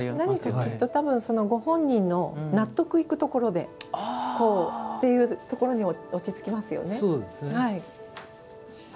何かきっとご本人の納得いくところでというところに落ち着きますよね。